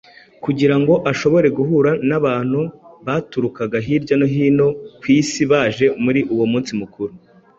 kugira ngo ashobore guhura n’abantu baturukaga hirya no hino ku isi baje muri uwo munsi mukuru